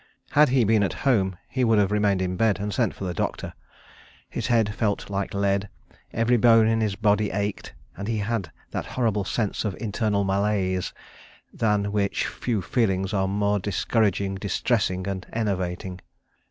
Had he been at home, he would have remained in bed and sent for the doctor. His head felt like lead, every bone in his body ached, and he had that horrible sense of internal malaise, than which few feelings are more discouraging, distressing and enervating.